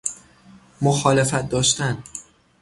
مخالفت داشتن